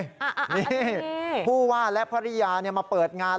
นี่ผู้ว่าและภรรยามาเปิดงาน